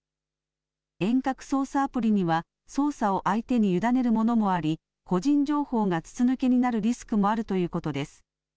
遠隔操作アプリには、操作を相手に委ねるものもあり、個人情報が筒抜けになるリスクもあるということです。